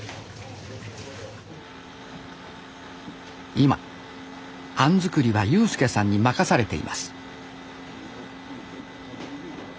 今あん作りは悠介さんに任されています